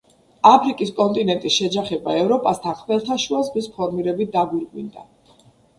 აფრიკის კონტინენტის შეჯახება ევროპასთან ხმელთაშუა ზღვის ფორმირებით დაგვირგვინდა.